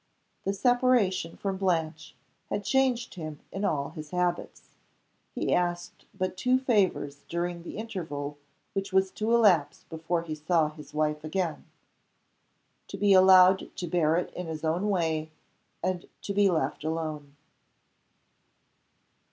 The separation from Blanche had changed him in all his habits. He asked but two favors during the interval which was to elapse before he saw his wife again to be allowed to bear it in his own way, and to be left alone.